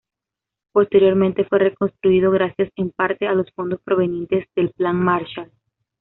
Posteriormente fue reconstruido gracias, en parte, a los fondos provenientes del Plan Marshall.